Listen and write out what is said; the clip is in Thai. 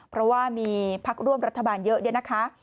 เพราะว่ามีพักร่วมรัฐบาลเยอะเนี่ยนะคะ